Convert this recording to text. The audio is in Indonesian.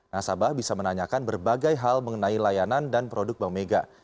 nasabah bisa menanyakan berbagai hal mengenai layanan dan produk bank mega